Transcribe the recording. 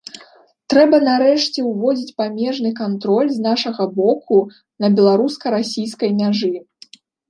Трэба нарэшце ўводзіць памежны кантроль з нашага боку на беларуска-расійскай мяжы.